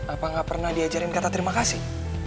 apa nggak pernah diajarin kata terima kasih